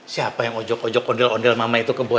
siapa yang ojok ojok ondel ondel mama itu kebohongan